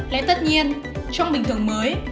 lẽ tất nhiên trong bình thường mới